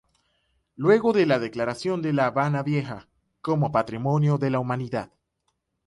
Luego de la declaración de La Habana Vieja, como Patrimonio de la Humanidad.